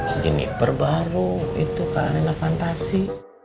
ini nipper baru itu kak arena fantasi